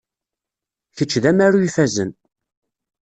Kečč d amaru ifazen.